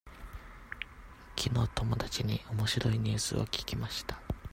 きのう友達におもしろいニュースを聞きました。